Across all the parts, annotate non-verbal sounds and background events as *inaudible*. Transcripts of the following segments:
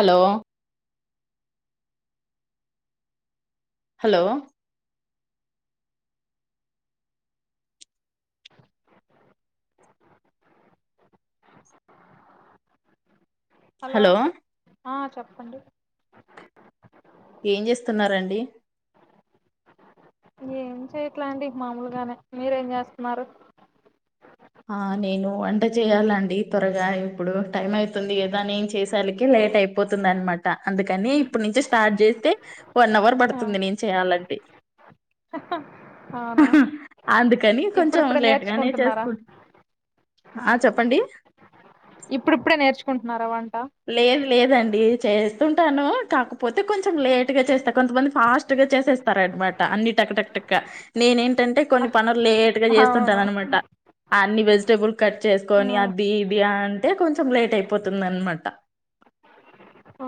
Hello hello hello ఆ చెప్పండి ఏం చేస్తున్నారండి. ఏం చేయట్ల అండి మామూలుగానే మీరేం చేస్తున్నారు ఆ నేను వంట చేయాలండి త్వరగా ఇప్పుడు టైం అయితుంది కదా నేను చేసాలకి లేట్ అయిపోతుంది అన్నమాట అందుకని ఇప్పుడు నుంచి స్టార్ట్ చేస్తే వన్ అవర్ ఆ పడుతుంది నేను చేయాలంటే అవునా అందుకని కొంచెం ఇప్పుడిప్పుడే లేట్గానే నేర్చుకుంటున్నారా చేసుకు ఆ చెప్పండి ఇప్పుడుప్పుడే నేర్చుకుంటున్నారా వం లేదు లేదండి చేస్తుంటాను కాకపోతే కొంచెం లేటు గా చేస్తా కొంతమంది ఫాస్ట్గా చేసేస్తరన్నమాట అన్నీ టక టక టక నేనేంటంటే కొన్ని పనులు లేట్ గా అవును చేస్తుంటానన్నమాట అన్ని వెజిటేబుల్ కట్ చేసుకొని అది ఇది అంటే కొంచెం లేట్ అయిపోతుంది అన్నమా అ ఓ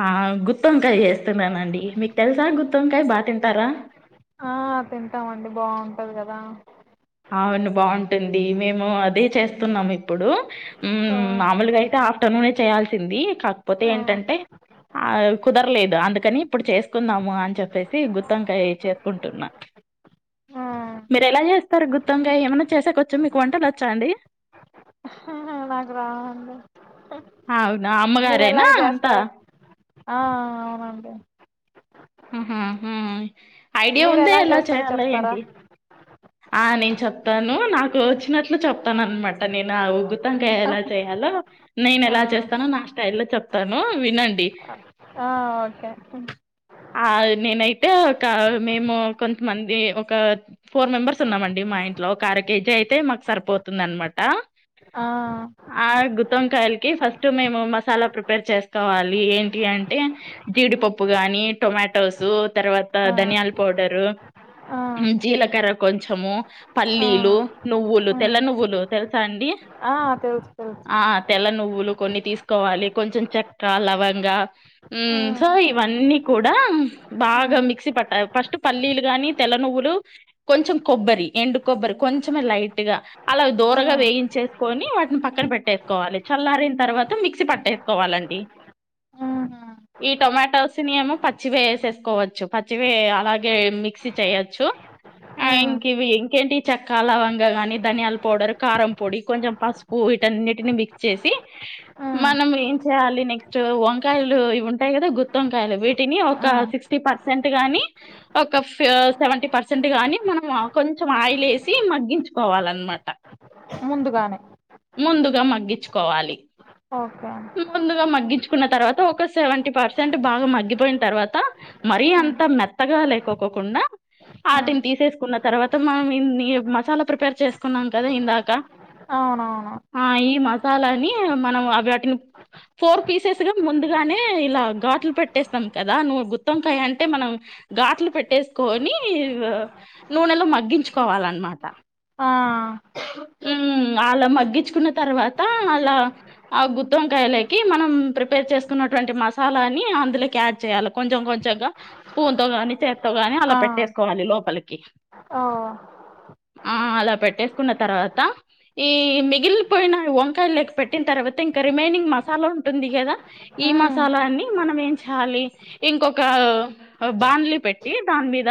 ఆ గుత్తి వంకాయ చేస్తున్నానండి మీకు తెలుసా గుత్తి వంకాయ బా తింటారా ఆ తింటామండి బావుంటది కదా అవును బావుంటుంది మేము అదే చేస్తున్నాము ఇప్పుడు ఆ హ్మ్ మామూలుగా అయితే అట్ట నూనె చేయాల్సింది కాకపోతే ఆ ఏంటంటే ఆ కుదరలేదు అందుకని ఇప్పుడు చేసుకుందాము అని చెప్పేసి గుత్తి వంకాయ చేసుకుంటున్నా ఆ మీరు ఎలా చేస్ తర గుత్తొంకాయి ఏమన్నా చేసేక వచ్చా మీకు వంటలు వచ్చాండి నాకురావండి హా మీరు ఎలాగ చేస్తార ఆ అవునండి ఊహూ హూ ఐడియా మీరు ఉందా ఎలా చేస్తారో చేయాలా చెప్తారా ఏంటి ఆ నేను చెప్తాను నాకు వచ్చినట్లు చెప్తాను అన్నమాట నేను ఆ ఊగు గుత్తొంకాయ ఎలా చేయాలో నేను ఆ ఎలా చేస్తానో నా స్టైల్ లో చెప్తాను వినండి ఆ ఓకే ఆ నేనైతే ఒక మేము కొంతమంది ఒక ఫోర్ మెంబర్స్ తున్నామండి మా ఇంట్లో ఒక అర కేజీ అయితే మాకు సరిపోతుందన్నమాట ఆ ఆ గుత్తొంకాయల కి ఫస్ట్ మేము మసాలా ప్రిపేర్ చేసుకోవాలి ఏంటి అంటే జీడిపప్పు గానీ టొమాటోసు తర్వాత ఆ ధనియాల పౌడరు ఆ జీలకర్ర కొంచము ఆ పల్లీలు నువ్వులు ఆ తెల్ల నువ్వులు తెలుసా అండి ఆ తెలుసు తెలుసు ఆ తెల్ల నువ్వులు కొన్ని తీసుకోవాలి కొంచెం చెక్క లవంగా సో ఇవన్నీ కూడా బాగా మిక్సీ పట్టాలి ఫస్ట్ పల్లీలు గాని తెల్ల నువ్వులు కొంచెం కొబ్బరి ఎండు కొబ్బరి కొంచెమే లైట్గా అలా దోరగా వేయించేసుకోని వాటిని పక్కన పెట్టేసుకోవాలి చల్లారిన తర్వాత మిక్సీ పట్టేసుకోవాలండి ఈ టొమాటోస్ని ఏమో పచ్చివేసేసుకోవచ్చు పచ్చివే అలాగే మిక్సీ చేయోచ్చు ఆ ఇంకివి ఇంకేంటి చెక్క లవంగా గాని ధనియాల పౌడర్ కారం పొడి కొంచెం పసుపు వీటన్నింటిని మిక్స్ చేసి మనం ఏం చేయాలి నెక్స్ట్ వంకాయలు ఇవి ఉంటాయి కదా గుత్తి వంకాయలు వీటిని ఒక సిక్స్టీ పర్సెంట్ గానీ ఒక సె సెవెంటీ పర్సెంట్ గాని మనం కొంచెం ఆయిలేసి మగ్గించుకోవాలన్నమాట ముందుగానే ముందుగా మగ్గించుకోవాలి ఓకే ముందుగా మగ్గించు కున్న తర్వాత ఒక సెవెంటీ పర్సెంట్ బాగా మగ్గిపోయిన తర్వాత మరీ అంత మెత్తగా లేకోకుండా వాటిని తీసేస్ కున్న తర్వాత మనం మసాలా ప్రిపేర్ చేసుకున్నాం కదా ఇందాక అవునవును ఆ ఈ మసాలాని మనం అవి వాటిని ఫోర్ పీసెస్గా ముందుగానే ఇలా ఘాట్లు పెట్టేస్తాం కదా నువ్వు గుత్తొంకాయ అంటే మనం ఘాట్లు పెట్టేసుకోని నూనెలో మగ్గించుకోవాలన్నమాట ఆ మ్ అలా మగ్గించుకున్న తర్వాత అలా ఆ గుత్తింకాయలోకి మనం ప్రిపేర్ చేసుకున్నటువంటి మసాలాని అందులోకి యాడ్ చేయాల కొంచెం కొంచెంగా స్పూన్తో కానీ చే గానీ అలా ఆ పెట్టేసుకోవాలి లో పలకి ఓ ఆ అలా పెట్టేసుకున్న తర్వాత ఈ మిగిలిపోయిన వంకాయలు లేకి పెట్టిన తర్వాత ఇంకా రిమైనింగ్ మసాలా ఉంటుంది కదా ఈ మ్మ్ మసాలాన్ని మనం ఏం చేయాలి ఇంకొక బాన్లీ పెట్టి దాని మీద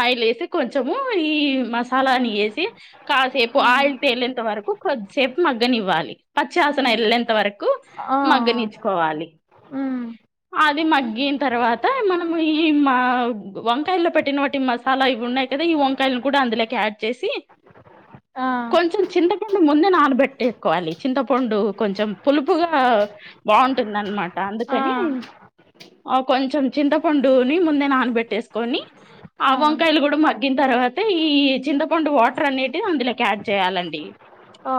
ఆయిల్ వేసి కొంచం కొంచము ఈ మసాలాని వేసి కాసేపు మ్మ్ ఆయిల్ తేలేంత వరకు కొద్దిసేపు మగ్గనివ్వాలి పచ్చివాసన వెళ్ళేంత వరకు ఆ మగ్గనిచ్చుకోవాలి మ్మ్ అది మగ్గిన తర్వాత మనము ఈ వంకాయల్లో పెట్టిన వాటి మసాలా ఇవిఉన్నాయి లేదా ఈ వంకాయలని కూడా అందులోకి యాడ్ చేసి ఆ కొంచెం చింతపండు ముందే నానబెట్టేసుకోవాలి చింతపండు కొంచెం పులుపుగా బాగుంటుంది అనమాట ఆ అందుకని కొంచెం చింతపండుని ముందే నానబెట్టేసుకొని ఆ వంకాయలు కూడా మ దీని తర్వాతే ఈ చింతపండు వాటర్ అనేటివి అందులోకి యాడ్ చేయాలండి ఓ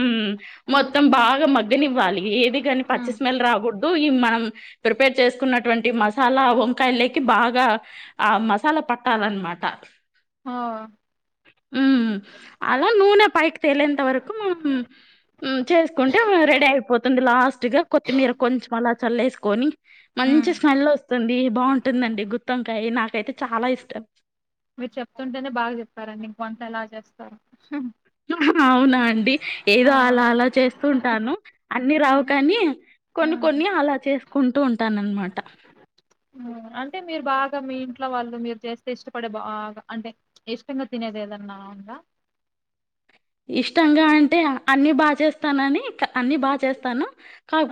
మ్ మొత్తం బాగా మగ్గనివ్వాలి ఏది కానీ పచ్చి మ్మ్ స్మెల్ రాకూడదు ఈ మనం ప్రిపేర్ చేసుకున్నటువంటి మసాలా వంకాయ లోకి బాగా ఆ మసాలా ప పట్టాలనమాట ఆ మ్ అలా నూనె పైకి తేలేంత వరకుమ్ చేసుకుంటే రెడీ అయిపోతుంది లాస్ట్ గా కొత్తిమీర కొంచెం అలా చల్లేసుకొని మ్మ్ మంచి స్మెల్ వస్తుంది బాగుంటుందండి గుత్తొంకాయ నాకైతే చాలా ఇష్ట ట మీరు చెప్తుంటేనే బాగా చెప్పారండి ఇంక వంట ఎలా చేస్తారో అవునా అండి ఏదో అలా అవును అలా చేస్తూ ఉంటాను అన్ని రావు మ్మ్ కాని కొన్ని మ్మ్ కొన్ని అలా చేసుకుంటూ ఉంటానన్నమాట అంటే మీరు బాగా మీ ఇంట్లో వాళ్ళు మీరు చేస్తే ఇష్టపడే బాగా అంటే ఇష్టంగా తినేది ఏదన్నా ఉంద ఇష్టంగా అంటే అన్ని బాగా చేస్తానని అన్ని బాగా చేస్తాను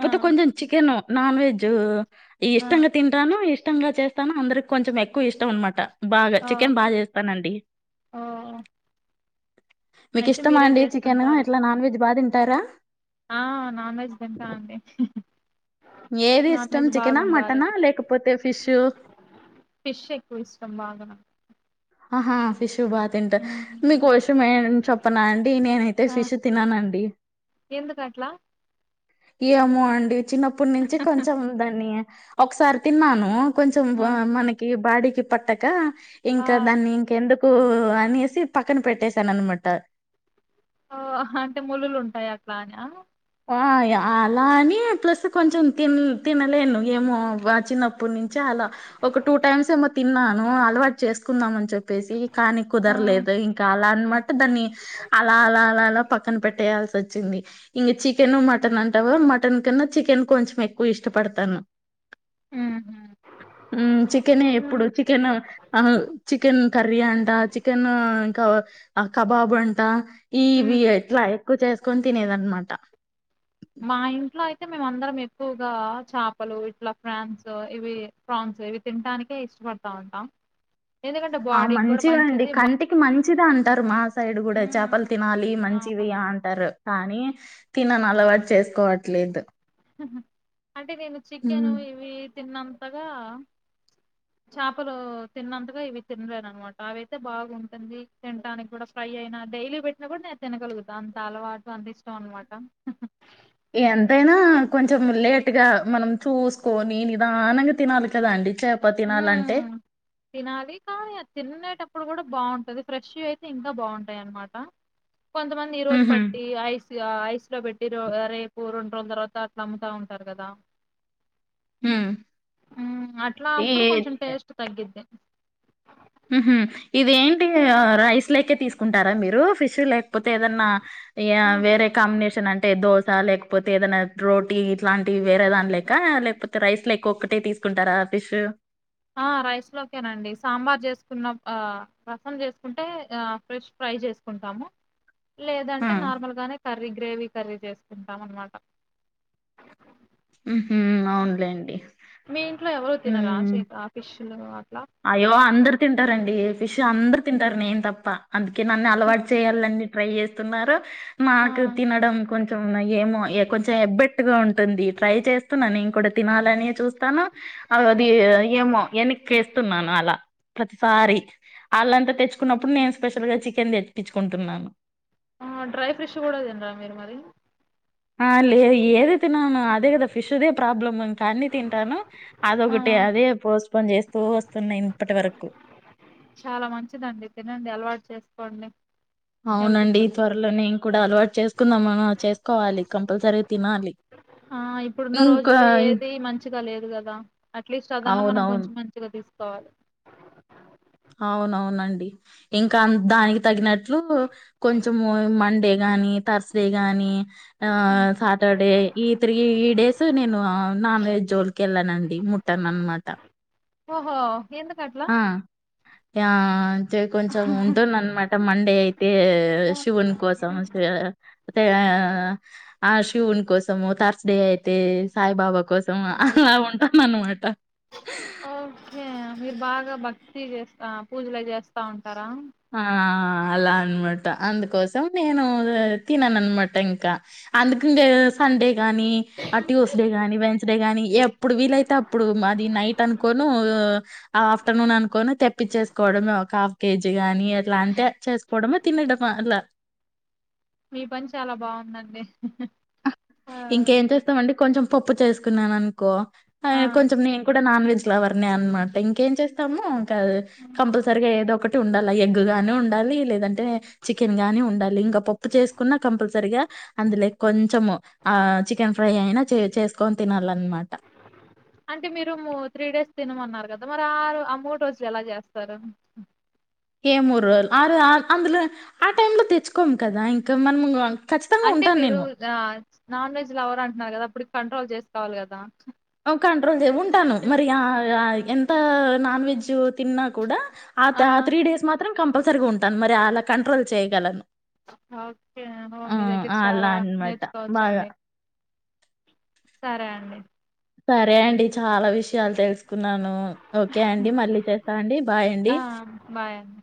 ఆ! కొంచెం చికెన్ నాన్ వెజ్ ఆ! ఇష్టంగా తింటాను ఇష్టంగా చేస్తాను అందరికి కొంచెం ఎక్కువ ఇష్టం అనమాట బాగా ఆ! చికెన్ బాగా చేస్తానండి ఓహ్! మీకు అయితే ఇష్టమా మీరే అండి చికెన్ జేస్తుంటారు. ఎట్లా నాన్ వెజ్ బాగా తిం టర ఆ నాన్ వెజ్ తింటా అండి ఏది నాన్ ఇష్టం వెజ్ చికెనా బాగుండాలి. మటనా లేకపోతే ఫిష్ ఫిష్ ఎక్కువ ఇష్టం బాగాన ఆహా ఫిష్ బాగా తింటారు మీకో విషయం ఏ చెప్పనా అండి నేనైతే ఫిష్ తిననండి ఎందుకు అట్లా ఏమో అండి చిన్నప్పటి నుంచి కొంచెం దాన్ని ఒకసారి తిన్నాను కొంచెం ఆ! మనకి బాడీకి పట్టక ఆ! ఇంకా దాన్ని ఇంకెందుకు అనేసి పక్కన పెట్టసాను అనమాట ఓ హ అంటే ముల్లులు ఉంటాయి అట్లా అనా ఆ అలా అని ప్లస్ కొంచెం తిన్ తినలేను ఏమో చినప్పటి నుంచి అలా ఒక టూ టైమ్స్ ఏమో తిన్నాను అలవాటు చేసుకుందాం అని చెప్పేసి కానీ ఆ! కుదరలేదు ఇంకా అలా అన్నమాట దాన్ని అలా అలా అలా అలా పక్కన పెట్టేయాల్సి వచ్చింది ఇంక చికెన్ మటన్ అంటావా మటన్ కన్నా చికెన్ కొంచెం ఎక్కువ ఇష్టపడతాను హుహు. మ్ చికెన్ ఎప్పుడు హ్మ్. చికెన్ చికెన్ కర్రీ అంట చికెన్ ఇంకా కబాబు అంట ఇవి హ్మ్. ఇట్లా ఎక్కువ చేసుకొని తినేద అన్నమాట ట మా ఇంట్లో అయితే మేము అందరం ఎక్కువగా చేపలు ఇట్లా ఫ్రాన్స్ ఇవి ఫ్రాన్స్ ఇవి తింటానికి ఇష్టపడతా ఉంటాం ఎందుకంటే ఆ బాడీకి కూడా మంచిగా అండి మంచిది బా కంటికి మం మంచిది అంటారు మా సైడ్ కూడా హ్మ్. చేపలు తినాలి మంచివి అవును. అ అంటారు కానీ తినను అలవాటు చేసుకోవట్లేదు అంటే నేను చికెను హ్మ్ ఇవి తిన్నంతగా చాపలు తిన్నంతగా ఇవి తినలేను అన్నమాట అవి అయితే బాగుంటుంది తింటానికి కూడా ఫ్రై అయినా డైలీ పెట్టినా కూడా నేను తినగలుగుతా అంత అలవాటు అంత ఇష్టం అన్నమాట ఎంతైనా కొంచెం లేట్ గా మనం చూసుకొని నిదానంగా తినాలి కదా అండి చె మ్ తినాలి కానీ అది తిన్నేటప్పు డు గూడా బాగుంటది ఫ్రెష్ వి అయితే ఇంకా బాగుంటాయి అన్నమాట కొంతమంది ఈ రోజు ఊహూ పట్టి ఐస్ ఐస్ లో పెట్టి రేపు ఆ రొన్ రోన్ తర్వాత అట్ల అమ్ముతా ఉంటారు కదా ఉ ఈ ఇప్పుడు కొంచెం టేస్ట్ తగ్గిద్ది ఉహు ఇదేంటి ఆ రైస్ లేకే తీసుకుంటారా మీరు ఫిష్ చి లేకపోతే ఏదన్నా ఆ వేరే కాంబినేషన్ అంటే దో త లేకపోతే ఏదైనా రోటీ ఇట్లాంటివి వేరే దాని లేక లేకపోతే రైస్ లెకి ఒక్కటే తీసుకుంటారా ఫిష్ ఆ రైస్లోకేనండి సాంబార్ జేసుకున్న ఆ రసం చేసుకుంటే ఫ్రెష్ ఫ్రై చేసుకుంటాము ఆ లేదంటే నార్మల్ గానే కర్రీ గ్రేవీ కర్రీ చేసుకుంటాం అన్నమాట ఉహు అవునులేండి మీ ఇంట్లో ఎవరు తినరా ఉమ్ చి ఆ ఫిష్ *inaudible* అయ్యో అందరు తింటారండి ఫిష్ అందరూ తింటారు నేను తప్ప అందుకే నన్ను అలవాటు చేయాలని ట్రై చేస్తున్నారు ఆ మాకు తినడం కొంచెం ఏమో కొంచెం ఎబ్బెట్టుగా ఉంటుంది ట్రై చేస్తున్నా నేను కూడా తినాలని చూస్తాను అ అది హ్మ్. ఏమో ఎన్నికేసి అన్ అలా ప్రతిసారి అళ్ళంతా తెచ్చుకున్నప్పుడు నేను స్పెషల్ గా చికెన్ తెప్పిచ్చుకుంటున్నాను ఆ డ్రై ఫ్రిష్ కూడా తినరా మీరు మరి ఆ లేదు ఏది తినను అదే కదా ఫిష్దే ప్రాబ్లమ్ ఇంకా అన్ని తింటాను ఆ అదొకటే అదే పోస్పోన్ చేస్ పో వస్తున్నాయి ఇప్పటి వరకు చాలా మంచిదండి తినండి అలవాటు చేసుకోండి హెల్త్ అవునండి కూడా త్వరలోనే నేను కూడా అలవాటు చేస్ కుందామని చేసుకోవాలి కంపల్సరీగా తినాలి ఆ ఇప్పుడున్న ఇంకా రోజుల్లో ఏది మంచిగా లేదు గదా అట్లీస్ట్ అదన్నా మనం అవునవును కొంచెం మంచిగా తీసుకుం కోవాలి అవునవునండి ఇంకా దానికి తగినట్లు కొంచెము మండే గాని థర్స్డే గాని ఆ హ్మ్. సాటర్డే ఈ త్రీ డేస్ నేను నాన్ వెజ్ జోలికె ఎల్లనండి ముట్టనన్మాట ఓహో ఎందుకట్లా య అయితే కొంచం ఉంటుంది అనమాట మండే అయితే శివుని కోసం అ ఆ శివుని కోసము థర్స్డే అయితే సాయిబాబా కోసం అలా ఉంటాను అనమాట ఓకే మీరు బాగా భక్తి చేస్తా పూజలు చేస్తా ఉంటారా ఆ అలా అనమాట అందుకోసం నేను తినను అనమాట ఇంకా అందుకు ఇంకా సండే గానీ ఆ ట్యూస్ డే గాని వెన్ డే గాని ఎప్పుడు వీలైతే అప్పుడు అది నైట్ అనుకోను ఆఫ్టర్నూన్ అనుకోను తెప్పించేసుకోవడమే ఒక హాఫ్ కేజీ గాని అట్లా అంటిే చేసుకోడమ తినడమ తినడమా అలా మీ పని చాలా బాగుందండి ఆ ఇంకేం చేస్తామండి కొంచెం పప్పు చేసుకున్నాను అనుకో ఆ! కొంచం నేను కూడా నాన్ వెజ్ ఇలావర్ణ అనమాట ఇంకేం చేస్తాము కాదు హ్మ్. కంపల్సరీగా ఏదో ఒకటి ఉండాలి ఎగ్ గానీ ఉండాలి లేదంటే చికెన్ గాని ఉండాలి ఇంకా పప్పు చేసుకున్నా కంపల్సరిగా అందులే కొంచెము ఆ చికెన్ ఫ్రై అయినా చేసుకొని తినాల అంటే మీరు ము త్రీ డేస్ తినమన్నారు కదా మరి ఆరు ఆ మూడు రోజులు ఎలా చేస్తారు ఏ మూడు రోజులు ఆ ర అందులో ఆ టై లో తెచ్చుకోము కదా ఇంకా మనము ఖచ్చితంగా అంటే ఉంటాను మీరు నేను నాన్ వెజ్ లవర్ అంటున్నారు కదా అప్పుడు కంట్రోల్ చేసుకోవాలి కదా కంట్రోల్ చే ఉంటాను మరి ఆ ఎంత నాన్ వెజ్ తిన్నా కూడా ఆ ఆ త్రీ డేస్ మాత్రం కంపల్సరిగా ఉంటాను మరి అలా కంట్రోల్ చేయగలను ఓకే ఓ మీ దగ్గర అలా చాలా అనమాట బాగా నేర్చుకోవచ్చండి. సరే అండి సరే అండి చాలా విషయం విషయాలు తెలుసుకున్నాను ఓకే అండి మళ్ళీ చేస్తా అండి బాయ్ అండి ఆ బాయ్ అండి.